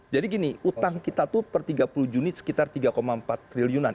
jadi gini utang kita itu per tiga puluh juni sekitar tiga empat triliunan